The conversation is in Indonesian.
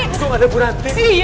itu ada buranti